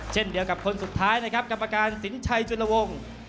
เช่นเดียวกับคนสุดท้ายนะครับกรรมการสินชัยจุลวง